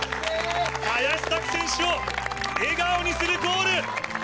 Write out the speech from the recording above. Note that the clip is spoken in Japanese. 林咲希選手を笑顔にするゴール。